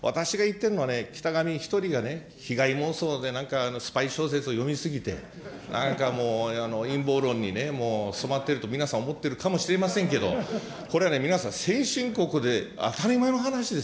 最後に総理にご提案ですけれども、私が言ってるのはね、北神一人が被害妄想で、なんかスパイ小説を読み過ぎて、なんかもう、陰謀論にもう染まってると、皆さん思ってるかもしれませんけど、これはね、皆さん、先進国で当たり前の話です。